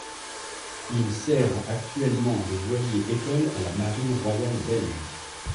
Il sert actuellement de voilier-école à la Marine royale belge.